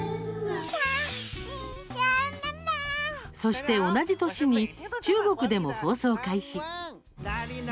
そして、同じ年に中国でも放送開始。